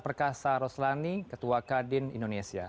perkasa roslani ketua kadin indonesia